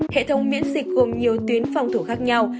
hệ thống miễn dịch gồm nhiều tuyến phòng thủ khác nhau